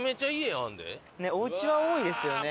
お家は多いですよね。